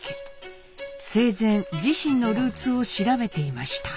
生前自身のルーツを調べていました。